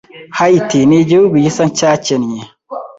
Haiti nigihugu gisa nkicyakennye.